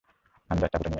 থানরাজ, চাকুটা নিয়ে আয়।